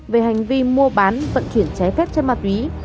về hành vi mua bán vận chuyển ché phép cho ma túy